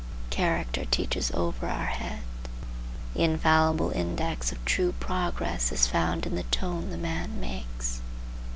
Character teaches over our head. The infallible index of true progress is found in the tone the man takes.